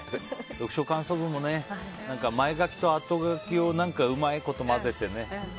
読書感想文もね前書きと後書きをうまいこと混ぜてね。